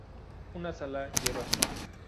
Una sala lleva su nombre.